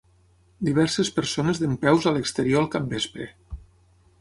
Diverses persones dempeus a l'exterior al capvespre.